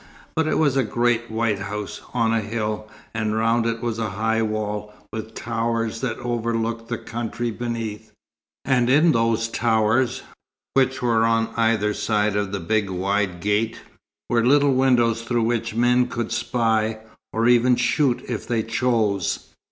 But it was a great white house, on a hill, and round it was a high wall, with towers that overlooked the country beneath. And in those towers, which were on either side the big, wide gate, were little windows through which men could spy, or even shoot if they chose."